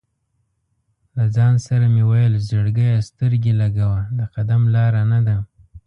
له ځان سره مې ویل: "زړګیه سترګې لګوه، د قدم لاره نه ده".